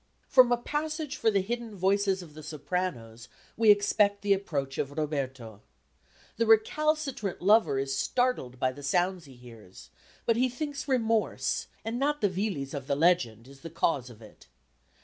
From a passage for the hidden voices of the sopranos we expect the approach of Roberto. The recalcitrant lover is startled by the sounds he hears, but he thinks remorse, and not the Villis of the legend, is the cause of it.